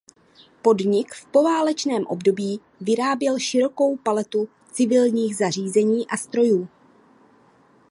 Podnik v poválečném období vyráběl širokou paletu civilních zařízení a strojů.